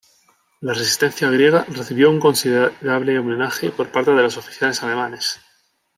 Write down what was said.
La resistencia griega recibió un considerable homenaje por parte de los oficiales alemanes.